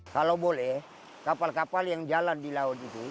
kalau boleh kapal kapal yang jalan di laut itu